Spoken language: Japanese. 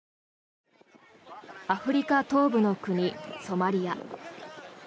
アフリカ東部の国、ソマリア。